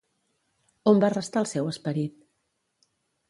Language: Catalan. On va restar el seu esperit?